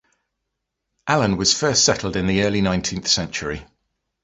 Allen was first settled in the early nineteenth century.